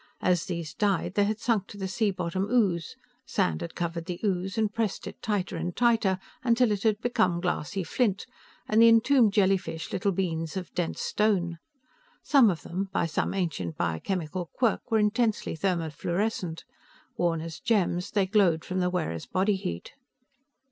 As these died, they had sunk into the sea bottom ooze; sand had covered the ooze and pressed it tighter and tighter, until it had become glassy flint, and the entombed jellyfish little beans of dense stone. Some of them, by some ancient biochemical quirk, were intensely thermofluorescent; worn as gems, they glowed from the wearer's body heat.